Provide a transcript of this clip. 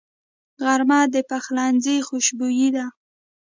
غرمه د پخلنځي خوشبويي ده